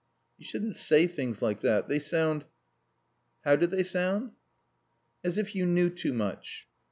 "You shouldn't say things like that; they sound " "How do they sound?" "As if you knew too much."